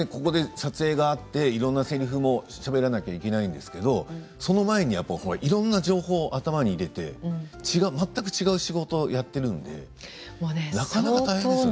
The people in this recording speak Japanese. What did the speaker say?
撮影があっていろんなせりふもしゃべらなきゃいけないんですけどその前にはいろんな情報を頭に入れて全く違う仕事をやっているのでなかなか大変ですよね。